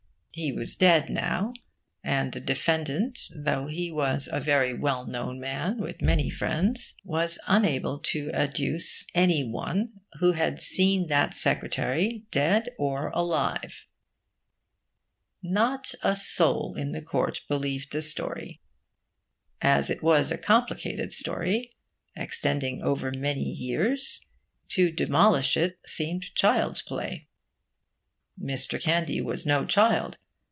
He was dead now; and the defendant, though he was a very well known man, with many friends, was unable to adduce any one who had seen that secretary dead or alive. Not a soul in court believed the story. As it was a complicated story, extending over many years, to demolish it seemed child's play. Mr. Candy was no child.